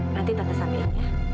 nanti tante sampein ya